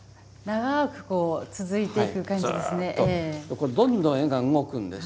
これどんどん絵が動くんです。